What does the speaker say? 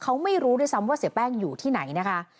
เขาไม่รู้ด้วยซ้ำว่าเสียแป้งอยู่ที่ไหนนะคะ